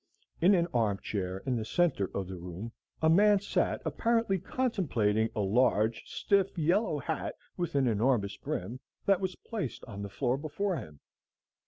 In an arm chair, in the centre of the room, a man sat apparently contemplating a large, stiff, yellow hat with an enormous brim, that was placed on the floor before him.